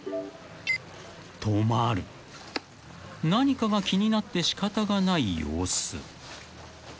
［何かが気になってしかたがない様子］